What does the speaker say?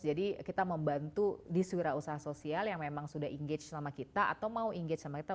jadi kita membantu di suara usaha sosial yang memang sudah engage sama kita atau mau engage sama kita